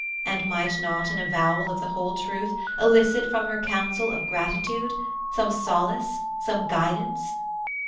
And might not an avowal of the whole truth elicit from her counsel of gratitude—some solace, some guidance?